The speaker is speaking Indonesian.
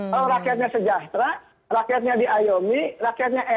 kalau rakyatnya sejahtera rakyatnya diayomi rakyatnya enak